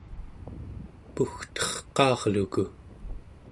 pugterqaarluku